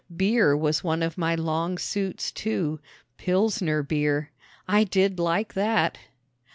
Beer was one of my long suits too Pilsner beer. I did like that!